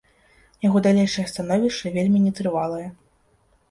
Яго далейшае становішча вельмі нетрывалае.